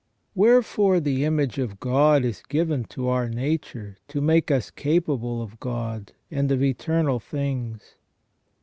Wherefore the image of God is given to our nature to make us capable of God, and of eternal things.